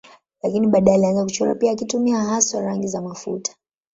Lakini baadaye alianza kuchora pia akitumia hasa rangi za mafuta.